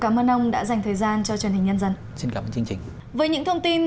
cảm ơn ông đã dành thời gian cho truyền hình nhân dân trên cảm chương trình với những thông tin